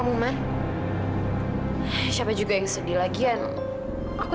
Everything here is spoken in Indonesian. aku jadi seperti takut kehilangan rizky